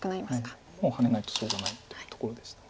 もうハネないとしょうがないっていうところでした。